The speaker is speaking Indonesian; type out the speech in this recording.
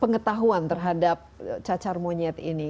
pengetahuan terhadap cacar monyet ini